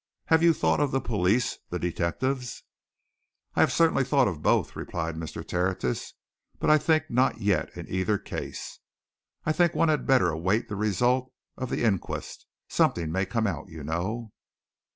Have you thought of the police the detectives?" "I have certainly thought of both," replied Mr. Tertius. "But I think not yet, in either case. I think one had better await the result of the inquest. Something may come out, you know."